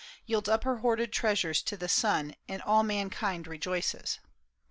Yields up her hoarded treasures to the sun And all mankind rejoices.